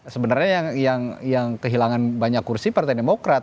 sebenarnya yang kehilangan banyak kursi partai demokrat